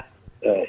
oleh sebab itulah